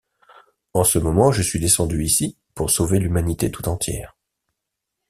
En ce moment je suis descendu ici pour sauver l'humanité tout entière.